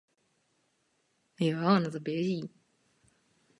Formálně šlo o post ředitele tiskového odboru Kanceláře prezidenta republiky.